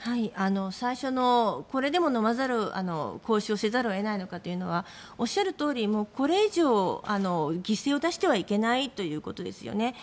最初のこれでも交渉せざるを得ないのかというのはおっしゃるとおり、これ以上犠牲を出してはいけないということですよね。